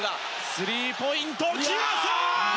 スリーポイント決まった！